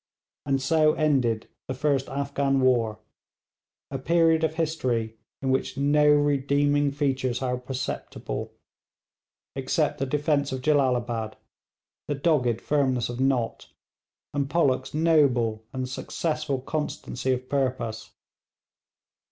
And so ended the first Afghan war, a period of history in which no redeeming features are perceptible except the defence of Jellalabad, the dogged firmness of Nott, and Pollock's noble and successful constancy of purpose.